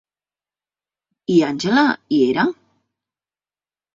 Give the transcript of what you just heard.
I Angela hi era?